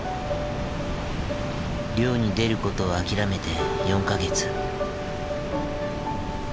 漁に出ることを諦めて４か月。